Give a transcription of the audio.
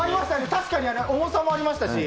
確かに重さもありましたし。